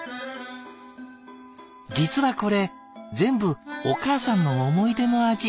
実はこれ全部お母さんの思い出の味。